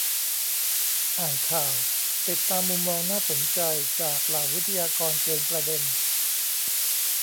อ่านข่าว ติดตามมุมมองน่าสนใจ จากเหล่าวิทยากรเจนประเด็น